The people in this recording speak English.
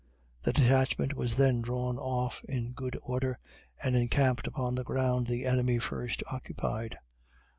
The detachment was then drawn off in good order, and encamped upon the ground the enemy first occupied.